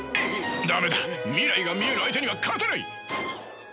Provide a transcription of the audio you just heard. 駄目だ未来が見える相手には勝てない！